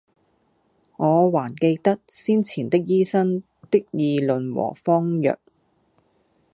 我還記得先前的醫生的議論和方藥，